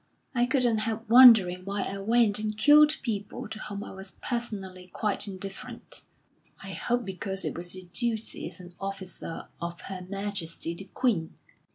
I couldn't help wondering why I went and killed people to whom I was personally quite indifferent." "I hope because it was your duty as an officer of Her Majesty the Queen."